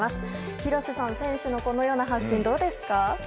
廣瀬さん、選手のこのような発信どうですか？